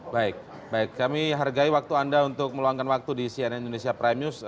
baik baik kami hargai waktu anda untuk meluangkan waktu di cnn indonesia prime news